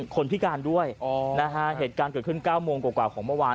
คนพิการด้วยนะฮะเหตุการณ์เกิดขึ้น๙โมงกว่าของเมื่อวาน